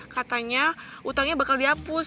katanya utangnya bakal dihapus